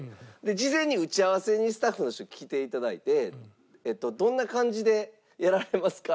事前に打ち合わせにスタッフの人来て頂いて「どんな感じでやられますか？」